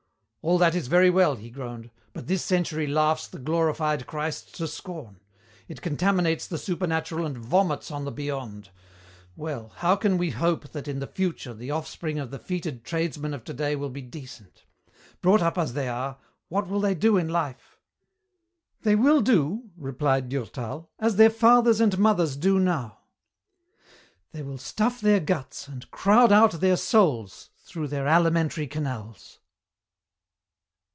"All that is very well," he groaned, "but this century laughs the glorified Christ to scorn. It contaminates the supernatural and vomits on the Beyond. Well, how can we hope that in the future the offspring of the fetid tradesmen of today will be decent? Brought up as they are, what will they do in Life?" "They will do," replied Durtal, "as their fathers and mothers do now. They will stuff their guts and crowd out their souls through their alimentary canals."